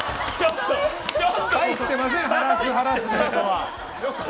入ってませんハラスハラスメントは！